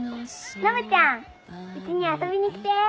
ノブちゃんうちに遊びに来て！